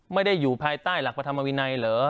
อยู่ภายใต้หลักพระธรรมวินัยเหรอ